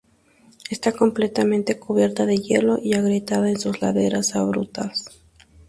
Está completamente cubierta de hielo, y agrietada en sus laderas abruptas.